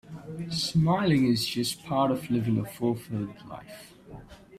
Smiling is just part of living a fulfilled life.